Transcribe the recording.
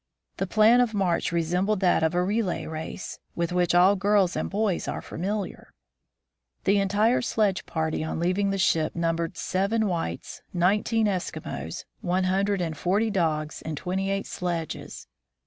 The plan of march resembled that of a relay race, with which all girls and boys are familiar. 164 THE FROZEN NORTH The entire sledge party on leaving the ship numbered seven whites, nineteen Eskimos, one hundred and forty dogs, and twenty eight sledges.